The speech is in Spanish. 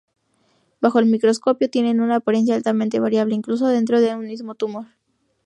Bajo el microscopio, tienen una apariencia altamente variable, incluso dentro de un mismo tumor.